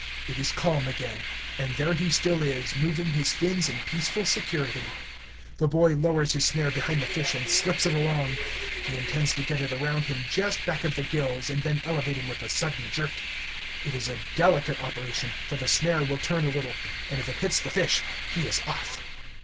It is calm again, and there he still is, moving his fins in peaceful security. The boy lowers his snare behind the fish and slips it along. He intends to get it around him just back of the gills and then elevate him with a sudden jerk. It is a delicate operation, for the snare will turn a little, and if it hits the fish, he is off.